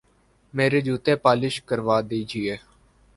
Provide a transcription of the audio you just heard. میرے جوتے پالش کروا دیجئے